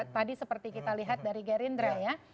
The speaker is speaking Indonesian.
tadi seperti kita lihat dari gerindra ya